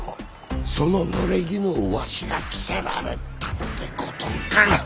そのぬれぎぬをわしが着せられたってことが！